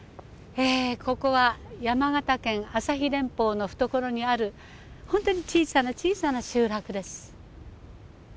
ここは山形県朝日連峰の懐にあるほんとに小さな小さな集落です。